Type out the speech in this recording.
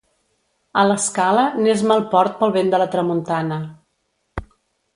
A L'Escala n'és mal port pel vent de la tramuntana.